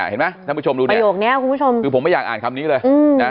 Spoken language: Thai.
เห็นมั้ยท่านผู้ชมดูเนี่ยคือผมไม่อยากอ่านคำนี้เลยนะ